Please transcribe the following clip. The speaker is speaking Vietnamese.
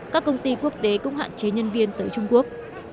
các công ty quốc tế cũng hạn chế nhân viên tới trung quốc